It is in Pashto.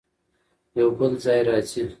يو بل ځای راځي